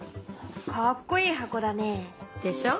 かっこいい箱だね。でしょ。